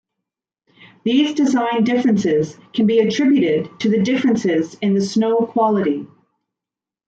These design differences can be attributed to the differences in the snow quality.